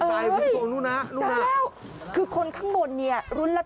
ทีละตั๊งครับทีละตั๊งครับ